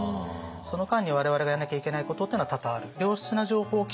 その間に我々がやらなきゃいけないことっていうのは多々ある。